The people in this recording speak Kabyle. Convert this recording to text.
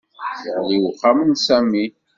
Yeɣli uxxam n Sami